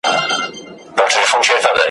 د ځالۍ له پاسه مار یې وولیدلی ,